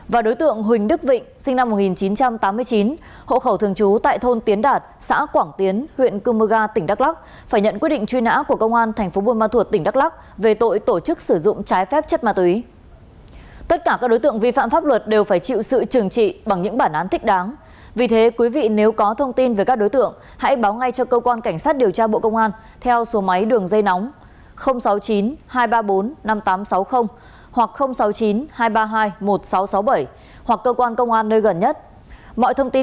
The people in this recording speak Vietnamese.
về tội tàng trữ trái phép chất ma túy công an huyện buôn đôn tỉnh đắk lắc đã ra quyết định truy nã đối với đối tượng trần đức tường sinh năm một nghìn chín trăm tám mươi hai hộ khẩu thường trú tại tổ dân phố một mươi phường tân thành thành phố buôn ma thuột tỉnh đắk lắc cao một m sáu mươi tám và có xẹo chấm cách một cm trên sau cánh mũi phải